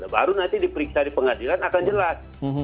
baru nanti diperiksa di pengadilan akan jelas